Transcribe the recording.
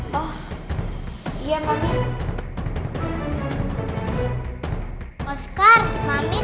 jauh betul ngeret belum pulang nis